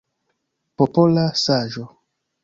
Popola saĝo!